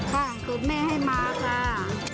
ร้านสูตรแม่ให้มาค่ะ